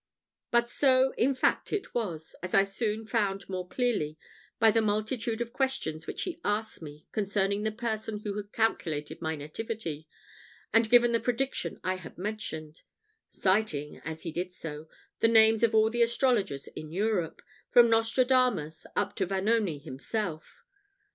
But so, in fact, it was, as I soon found more clearly by the multitude of questions which he asked me concerning the person who had calculated my nativity, and given the prediction I had mentioned; citing, as he did so, the names of all the astrologers in Europe, from Nostradamus up to Vanoni himself.